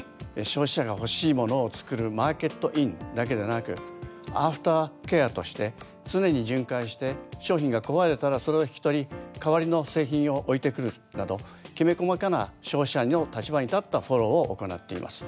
消費者が欲しいものを作るマーケットインだけではなくアフターケアとして常に巡回して商品が壊れたらそれを引き取り代わりの製品を置いてくるなどきめ細かな消費者の立場に立ったフォローを行っています。